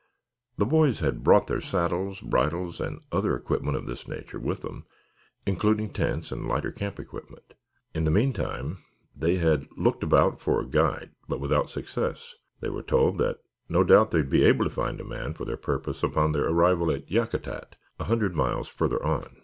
The boys had brought their saddles, bridles and other equipment of this nature with them, including tents and lighter camp equipment. In the meantime they had looked about for a guide, but without success. They were told that no doubt they would be able to find a man for their purpose upon their arrival at Yakutat, a hundred miles further on.